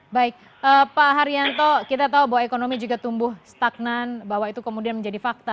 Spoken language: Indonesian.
baik pak haryanto kita tahu bahwa ekonomi juga tumbuh stagnan bahwa itu kemudian menjadi fakta